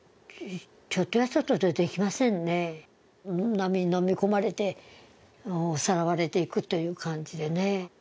波にのみ込まれてさらわれていくという感じでね。